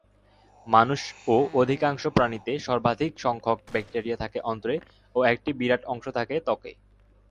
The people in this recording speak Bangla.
মানুষ ও অধিকাংশ প্রাণীতে সর্বাধিক সংখ্যক ব্যাকটেরিয়া থাকে অন্ত্রে ও একটি বিরাট অংশ থাকে ত্বকে।